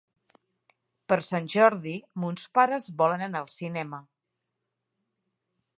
Per Sant Jordi mons pares volen anar al cinema.